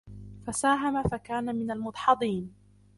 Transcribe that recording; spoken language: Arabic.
فَسَاهَمَ فَكَانَ مِنَ الْمُدْحَضِينَ